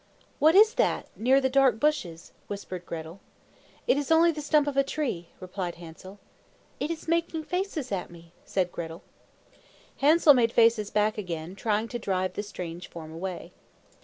"What is that, near the dark bushes?" whispered Gretel. "It is only the stump of a tree," replied Hansel. "It is making faces at me!" said Gretel. Hansel made faces back again, trying to drive the strange form away.